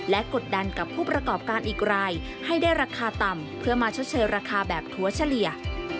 และกดดันกับผู้ประกอบการอีกรายให้ได้ราคาต่ำเพื่อมาชดเชยราคาแบบถั่วเฉลี่ย